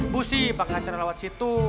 bu sih pake acara lewat situ